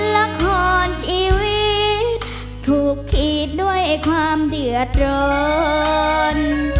ละครชีวิตถูกขีดด้วยความเดือดร้อน